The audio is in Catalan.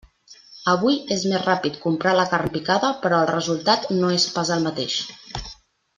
Avui és més ràpid comprar la carn picada, però el resultat no és pas el mateix.